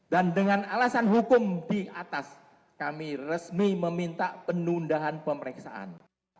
dan dengan alasan hukum di atas kami resmi meminta penundahan pemeriksaan